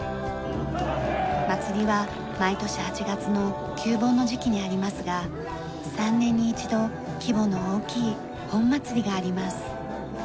祭りは毎年８月の旧盆の時期にありますが３年に１度規模の大きい本祭りがあります。